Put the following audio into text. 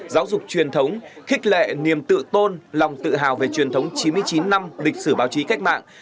giáo dục truyền thống khích lệ niềm tự tôn lòng tự hào về truyền thống chín mươi chín năm lịch sử báo chí cách mạng